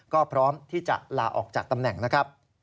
ก็พร้อมที่จะลาออกจากตำแหน่งนะครับ